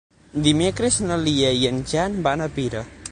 Dimecres na Lia i en Jan van a Pira.